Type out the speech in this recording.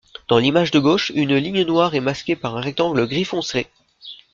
Dans l'image de gauche, une ligne noire est masquée par un rectangle gris foncé.